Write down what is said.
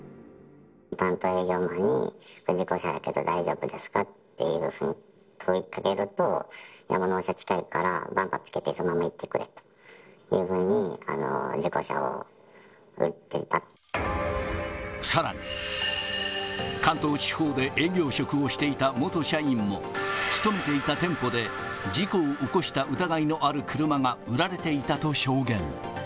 担当営業のほうに、これ、事故車だけど大丈夫ですかって問いかけると、もう納車近いから、バンパーつけてそのままいってくれというふうに、事故車を売ってさらに、関東地方で営業職をしていた元社員も、勤めていた店舗で事故を起こした疑いのある車が売られていたと証言。